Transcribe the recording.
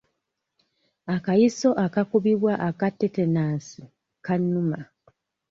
Akayiso akakubibwa aka tetanasi kannuma.